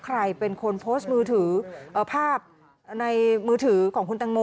ใครเป็นคนโพสต์มือถือภาพในมือถือของคุณตังโม